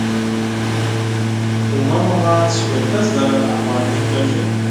اومه مواد شپیته زره افغانۍ کېږي